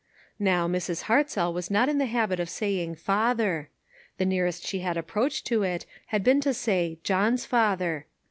1' Now, Mrs. Hartzell was not in the habit of saying "father." The nearest she had approached to it had been to say "John's father."